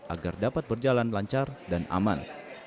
agar dapat berjalan lancar dan aman